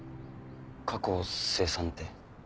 過去を清算って？